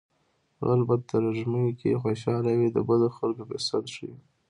غل په ترږمۍ کې خوشحاله وي د بدو خلکو فرصت ښيي